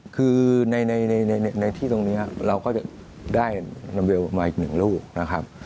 คือในที่ตรงนี้เราก็จะได้ลามเวลมาอีกหนึ่งลูกนะครับ